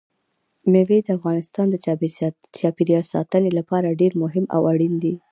مېوې د افغانستان د چاپیریال ساتنې لپاره ډېر مهم او اړین دي.